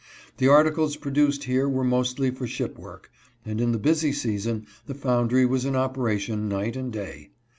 The articles produced here were mostly for ship work, and in the busy season the foundry was in operation night and day.